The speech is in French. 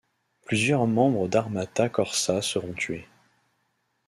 Plusieurs membres d'Armata Corsa seront tués.